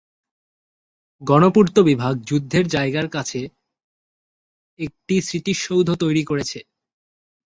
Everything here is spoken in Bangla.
গণপূর্ত বিভাগ যুদ্ধের জায়গার কাছে একটি স্মৃতিসৌধ তৈরি করেছে।